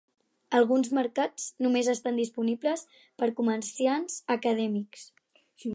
Alguns mercats només estan disponibles per comerciants acadèmics.